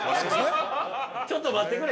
ちょっと待ってくれ。